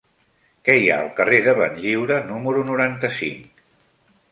Què hi ha al carrer de Benlliure número noranta-cinc?